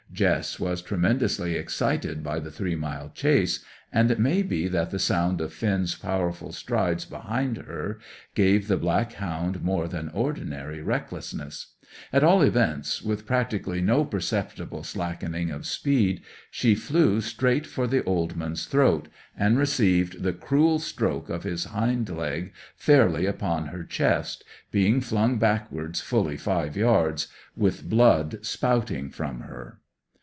Jess was tremendously excited by the three mile chase, and it may be that the sound of Finn's powerful strides behind her gave the black hound more than ordinary recklessness. At all events, with practically no perceptible slackening of speed, she flew straight for the old man's throat, and received the cruel stroke of his hind leg fairly upon her chest, being flung backwards fully five yards, with blood spouting from her.